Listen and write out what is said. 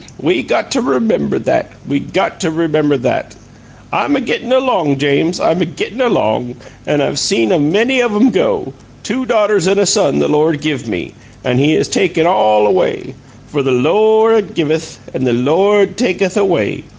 We got to remember that; we got to remember that! I'm a gittin' along, James; I'm a gittin' along, and I've seen a many of 'em go two daughters and a son the Lord give me, and He has taken all away. For the Lo ord givuth and the Lo ord takuth away!